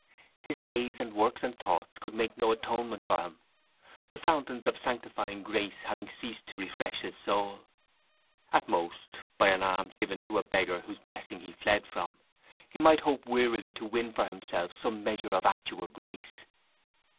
His days and works and thoughts could make no atonement for him, the fountains of sanctifying grace having ceased to refresh his soul. At most, by an alms given to a beggar whose blessing he fled from, he might hope wearily to win for himself some measure of actual grace.